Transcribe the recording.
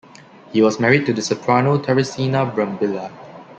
He was married to the soprano Teresina Brambilla.